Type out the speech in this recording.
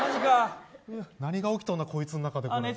何が起きとるんやこいつの中で。